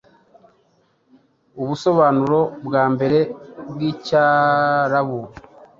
Ubusobanuro bwa mbere bwicyarabu